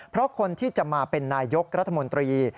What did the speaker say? เพราะคนที่จะมาเป็นนายยกรัฐมนตรี